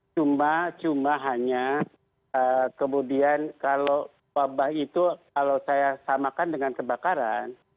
cuma cuma hanya kemudian kalau wabah itu kalau saya samakan dengan kebakaran